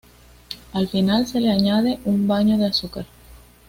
Al final se le añade un baño de azúcar.